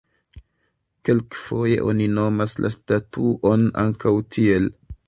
Kelkfoje oni nomas la statuon ankaŭ tiel.